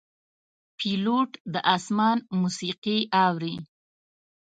پیلوټ د آسمان موسیقي اوري.